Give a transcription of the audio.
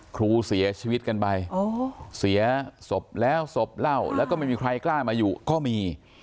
ครูเสียชีวิตกันไปเสียศพแล้วศพเหล้าแล้วก็ไม่มีใครกล้ามาอยู่ก็มี